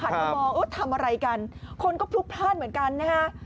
มามองเออทำอะไรกันคนก็พลุกพลาดเหมือนกันนะฮะ